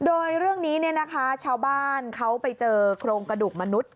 โดยเรื่องนี้ชาวบ้านเขาไปเจอโครงกระดูกมนุษย